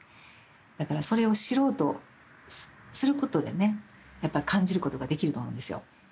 だからそれを知ろうとすることでねやっぱり感じることができると思うんですよ。